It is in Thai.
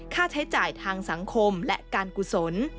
ค่าใช้จ่ายทางสังคมและการกุศล